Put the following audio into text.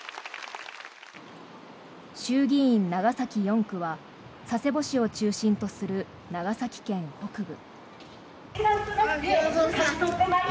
衆議院長崎４区は佐世保市を中心とする長崎県北部。